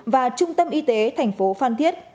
và trung tâm y tế thành phố phan thiết